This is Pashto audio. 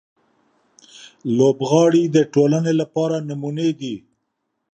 لوبغاړي د ټولنې لپاره نمونې دي.